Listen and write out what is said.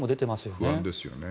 不安ですよね。